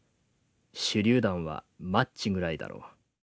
手榴弾はマッチぐらいだろう。